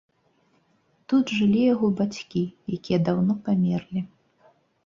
Тут жылі яго бацькі, якія даўно памерлі.